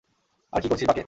আরে কী করছিস, বাঁকে!